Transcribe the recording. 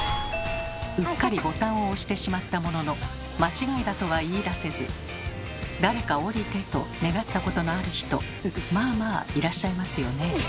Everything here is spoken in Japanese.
うっかりボタンを押してしまったものの間違いだとは言いだせず「誰か降りて！」と願ったことのある人まあまあいらっしゃいますよね。